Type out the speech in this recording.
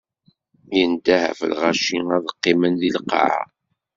Indeh ɣef lɣaci ad qqimen di lqaɛa.